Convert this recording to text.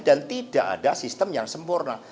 dan tidak ada sistem yang sempurna